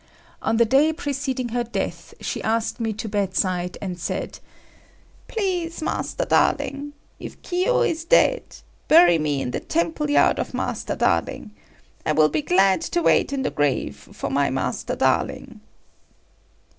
On the day preceding her death, she asked me to bedside, and said, "Please, Master Darling, if Kiyo is dead, bury me in the temple yard of Master Darling. I will be glad to wait in the grave for my Master Darling."